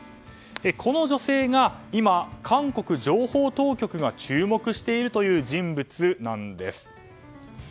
この女性が今、韓国情報当局が注目している人物なんです。